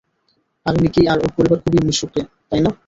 আর Nicky আর ওর পরিবার খুবই মিশুকে, তাই না?